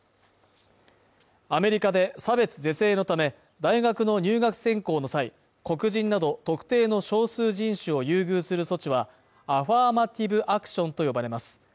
アメリカで差別是正のため、大学の入学選考の際、黒人など特定の少数人種を優遇する措置は、アファーマティブ・アクションと呼ばれます。